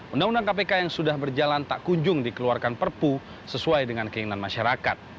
undang undang kpk yang sudah berjalan tak kunjung dikeluarkan perpu sesuai dengan keinginan masyarakat